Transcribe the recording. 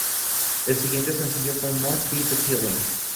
El siguiente sencillo fue "Must Be The Feeling".